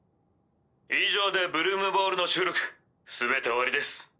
以上で「ブルームボール」の収録全て終わりです。